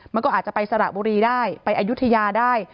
มันก็อาจจะไปสระบุรีได้ไปอายุทยาได้